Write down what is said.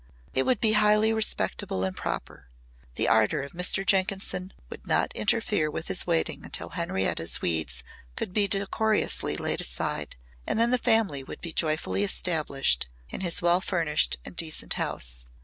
It would be highly respectable and proper. The ardour of Mr. Jenkinson would not interfere with his waiting until Henrietta's weeds could be decorously laid aside and then the family would be joyfully established in his well furnished and decent house.